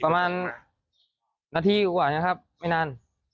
ประมาณนาทีกว่านะครับไม่นาน